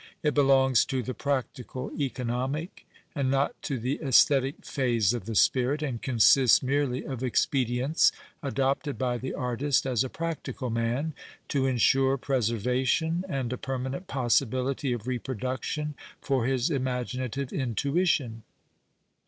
It belongs to the practical (economic) and not to the festhetic phase of the spirit, and consists merely of expedients adopted by the artist as a practical man, to ensure preservation and a permanent ]iossibility of repro duction for his imaginative intuition.